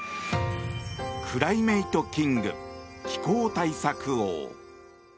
クライメイト・キング気候対策王。